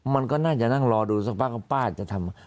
มันก็น่าจะนั่งรอดูสักพักว่าป้าจะทำ